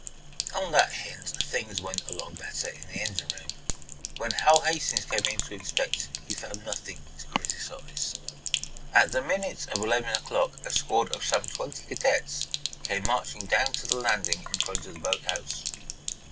On that hint things went along better in the engine room. When Hal Hastings came in to inspect he found nothing to criticise. At the minute of eleven o'clock a squad of some twenty cadets came marching down to the landing in front of the boat house.